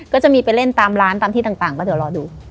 ก็จะมีไปเล่นตามร้านตามที่ต่างก็เดี๋ยวรอดู